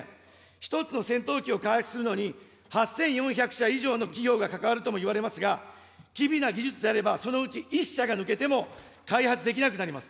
１つの戦闘機を開発するのに、８４００社以上の企業が関わるともいわれますが、機微な技術であれば、そのうち１社が抜けても、開発できなくなります。